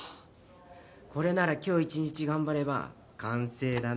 これなら今日一日頑張れば完成だな。